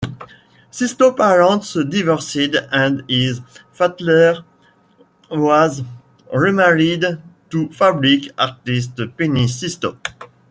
Sisto's parents divorced and his father was remarried to fabric artist Penny Sisto.